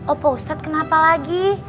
opa ustadz kenapa lagi